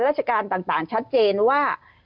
ราชการต่างชัดเจนว่า